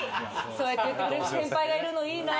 そうやって言ってくれる先輩がいるのいいな。